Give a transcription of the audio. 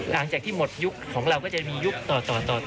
หลังจากที่หมดยุคของเราก็จะมียุคต่อ